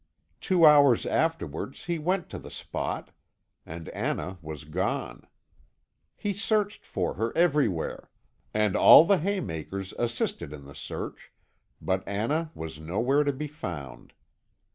Two hours afterwards he went to the spot, and Anna was gone. He searched for her everywhere, and all the haymakers assisted in the search, but Anna was nowhere to be found.